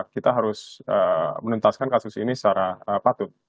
kita harus menentaskan kasus ini secara patuh